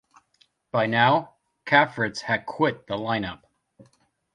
By now, Cafritz had quit the line-up.